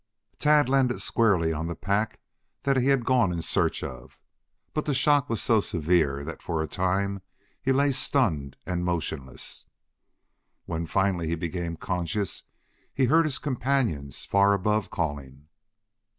Tad landed squarely on the pack that he had gone in search of, but the shock was so severe that for a time he lay stunned and motionless. When finally he became conscious he heard his companions far above calling.